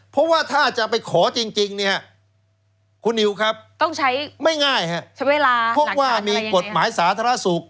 เพราะว่าถ้าจะไปขอจริงคุณนิวครับไม่ง่ายครับเพราะว่ามีกฎหมายสาธารณสุข